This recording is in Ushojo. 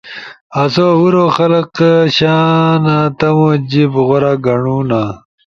آسو ہُورو خلگ شانا تمو جیِب غورا گنڑُو نا۔